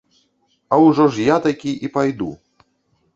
А ўжо ж я такі і пайду.